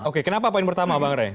oke kenapa poin pertama bang rey